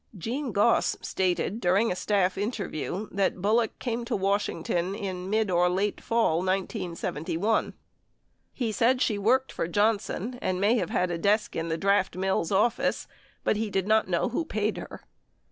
Gene Goss stated during a staff interview that Bullock came to Washington in mid or late fall, 1971. He said she worked for Johnson and may have had a desk in the Draft Mills office, but he did not know who paid her.